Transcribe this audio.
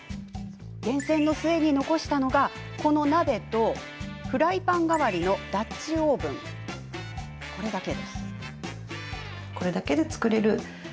厳選の末、残したのはこの鍋とフライパン代わりのダッチオーブンだけ。